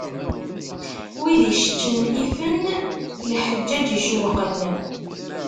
Wid icceččen ifen lḥeǧǧaǧ icewwqen.